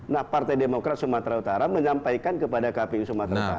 nah partai demokrat sumatera utara menyampaikan kepada kpu sumatera utara